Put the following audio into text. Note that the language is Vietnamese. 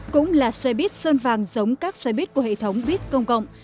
cũng là xe buýt sơn vàng giống các xe buýt của hệ thống buýt công cộng